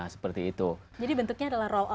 seperti itu jadi bentuknya adalah roll